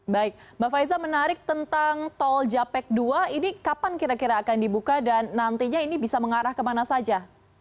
baik mbak faiza menarik tentang tol japek dua ini kapan kira kira akan dibuka dan nantinya ini bisa mengarah kemana saja